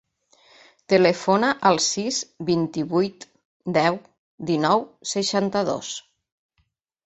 Telefona al sis, vint-i-vuit, deu, dinou, seixanta-dos.